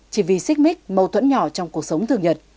chỉ vì xích mích mâu thuẫn nhỏ trong cuộc sống thường nhật